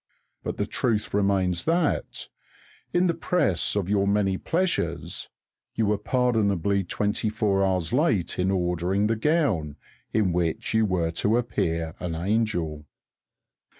But the truth remains that, in the press of your many pleasures, you were pardonably twenty four hours late in ordering the gown in which you were to appear an angel.